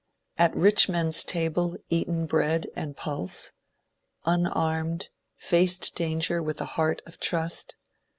At rich men's tables eaten bread and pulse ? Unarmed, faced danger with a heart of trust